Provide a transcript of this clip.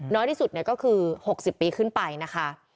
น้อยที่สุดก็คือ๖๐ปีขึ้นไปนะคะ